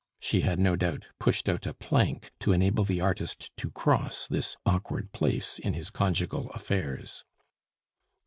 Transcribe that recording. She had no doubt pushed out a plank to enable the artist to cross this awkward place in his conjugal affairs.